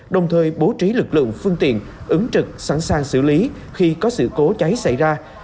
đồng thời bố trí lực lượng phương tiện ứng trực sẵn sàng xử lý khi có sự cố cháy xảy ra